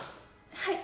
はい！